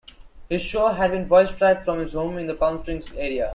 His show had been voice-tracked from his home in the Palm Springs area.